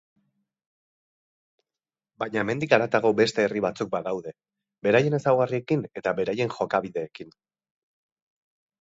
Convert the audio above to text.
Baina hemendik haratago beste herri batzuk badaude, beraien ezaugarriekin eta beraien jokabideekin.